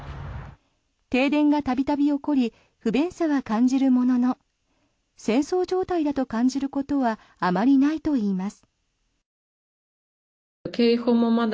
停電が度々起こり不便さは感じるものの戦争状態だと感じることはあまりないといいます。